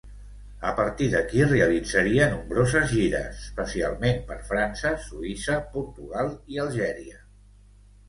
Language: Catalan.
A partir d'aquí realitzaria nombroses gires, especialment per França, Suïssa, Portugal i Algèria.